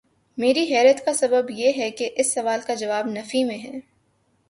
میری حیرت کا سبب یہ ہے کہ اس سوال کا جواب نفی میں ہے۔